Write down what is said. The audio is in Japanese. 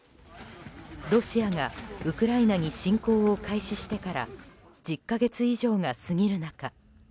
ロシアがウクライナに侵攻を開始してから１０か月以上が過ぎる中